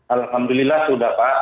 alhamdulillah sudah pak